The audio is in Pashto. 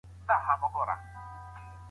علم او پوهه انسان نرموي.